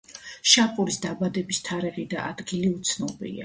შაპურის დაბადების თარიღი და ადგილი უცნობია.